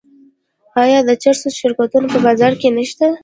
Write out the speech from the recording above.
آیا د چرسو شرکتونه په بازار کې نشته؟